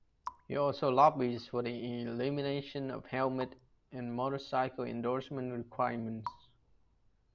He also lobbies for the elimination of helmet and motorcycle endorsement requirements.